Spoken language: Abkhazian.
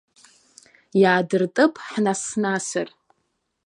Иаадыртып ҳнас-насыр.